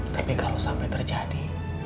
tapi kalau sampai terjadi